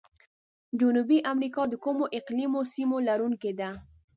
جنوبي امریکا د کومو اقلیمي سیمو لرونکي ده؟